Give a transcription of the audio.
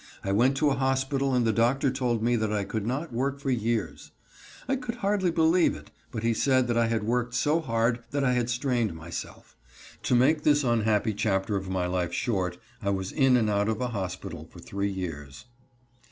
I went to a hospital and the doctor told me that I could not work for years. I could hardly believe it, but he said that I had worked so hard that I had strained myself. To make this unhappy chapter of my life short, I was in and out of a hospital for three years.